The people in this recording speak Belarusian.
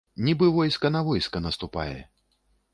Нібы войска на войска наступае.